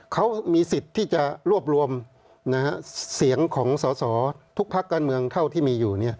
เขามีสิทธิ์ที่จะรวบรวมเสียงของสอสอทุกภาคการเมืองเท่าที่มีอยู่